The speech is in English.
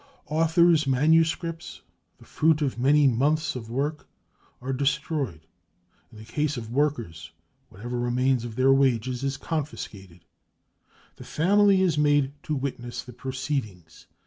Authors' manuscripts, the fruit of many months of work, are destroyed. In the case ^workers, whatever remains of their wages is confiscated, lhe family is made to witness the proceedings.